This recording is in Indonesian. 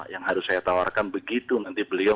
yang harus saya tawarkan begitu nanti beliau